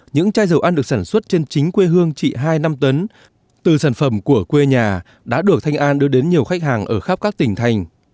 những chai dầu ăn được sản xuất trên chính quê hương chị hai năm tấn từ sản phẩm của quê nhà đã được thanh an đưa đến nhiều khách hàng ở khắp các tỉnh thành